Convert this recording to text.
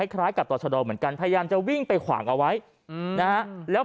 คล้ายกับต่อชะดอเหมือนกันพยายามจะวิ่งไปขวางเอาไว้นะฮะแล้ว